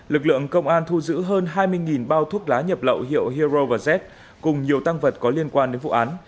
lực lượng công an thu giữ hơn hai mươi bao thuốc lá nhập lậu hiệu hero và z cùng nhiều tăng vật có liên quan đến vụ án